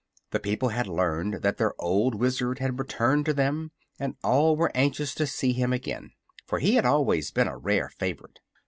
The people had learned that their old Wizard had returned to them and all were anxious to see him again, for he had always been a rare favorite.